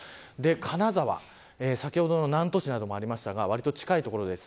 金沢、先ほどの南砺市などもありましたがわりと近い所です。